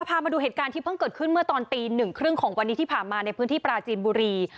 พามาดูเหตุการณ์ที่เพิ่งเกิดขึ้นเมื่อตอนตี๑๓๐วันที่ผ่ามาในพื้นที่ปราจีนบุรี